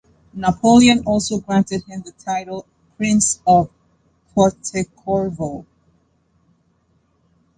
Napoleon also granted him the title "Prince of Pontecorvo".